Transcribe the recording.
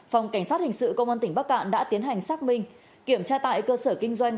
phòng cảnh sát hình sự công an tỉnh bắc cạn đã tiến hành xác minh kiểm tra tại cơ sở kinh doanh